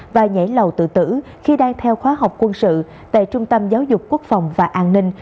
và nhảy lầu tự tử khi đang theo khóa học quân sự tại trung tâm giáo dục quốc phòng và an ninh